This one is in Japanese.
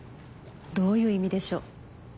どういう意味でしょう？